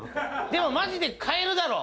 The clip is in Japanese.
でもマジで買えるだろ。